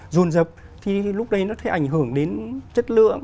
dồn rập thì lúc đấy nó sẽ ảnh hưởng đến chất lượng